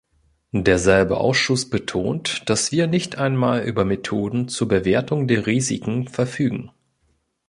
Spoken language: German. Derselbe Ausschuss betont, dass wir nicht einmal über Methoden zur Bewertung der Risiken verfügen.